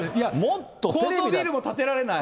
高層ビルも建てられない。